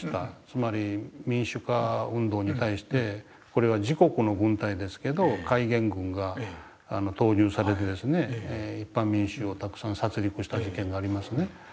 つまり民主化運動に対してこれは自国の軍隊ですけど戒厳軍が投入されて一般民衆をたくさん殺りくした事件がありますね。